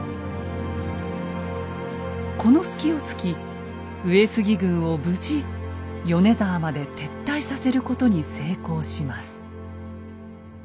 この隙をつき上杉軍を無事米沢まで撤退させることに成功します。